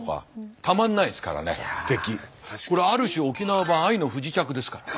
これはある種沖縄版「愛の不時着」ですからね。